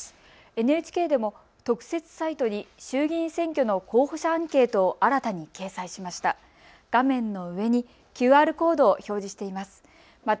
ＮＨＫでも特設サイトに衆議院選挙の候補者アンケートを新たに掲載しました。